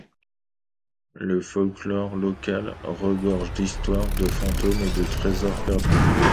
Le folklore local regorge d'histoires de fantômes et de trésors perdus.